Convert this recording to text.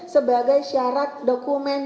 sebagai syarat dokumen